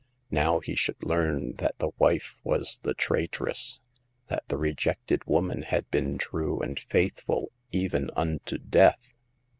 Now he should learn that the wife was the traitress, that the rejected woman had been true and faithful even unto death.